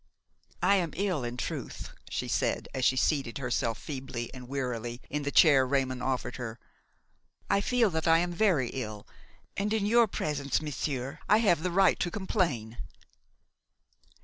"I am ill, in truth," she said, as she seated herself, feebly and wearily, in the chair Raymon offered her; "I feel that I am very ill, and, in your presence, monsieur, I have the right to complain."